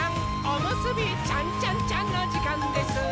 おむすびちゃんちゃんちゃんのじかんです！